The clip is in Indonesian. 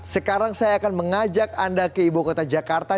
sekarang saya akan mengajak anda ke ibukota jakarta